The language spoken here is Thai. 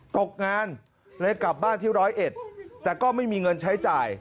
ตกงานเลยกลับบ้านที่ร้อยเอ็ดแต่ก็ไม่มีเงินใช้จ่าย